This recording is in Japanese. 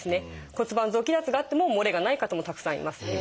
骨盤臓器脱があってももれがない方もたくさんいますね。